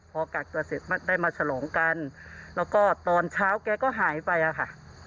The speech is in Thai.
พอกักตัวเสร็จได้มาฉลองกันแล้วก็ตอนเช้าแกก็หายไปอะค่ะ